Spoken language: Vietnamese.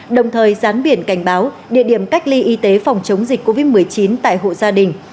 đồng thời gián biển cảnh báo địa điểm cách ly y tế phòng chống dịch covid một mươi chín tại hộ gia đình